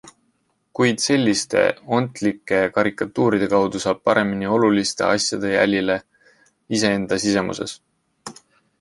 Kuid selliste ontlike karikatuuride kaudu saab paremini oluliste asjade jälile iseenda sisemuses.